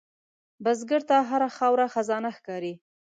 بزګر ته هره خاوره خزانه ښکاري